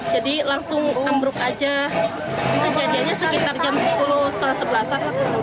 jadi langsung ambruk aja kejadiannya sekitar jam sepuluh setelah sebelas an